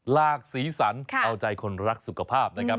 ลากศีรรษรอาวุธใจคนรักสุขภาพนะครับ